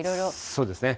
そうですね。